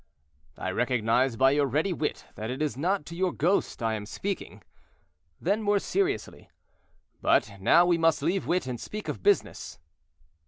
"I recognize by your ready wit that it is not to your ghost I am speaking." Then, more seriously, "But now we must leave wit and speak of business."